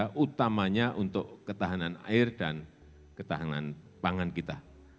yang utamanya untuk ketahanan air dan ketahanan pangan kita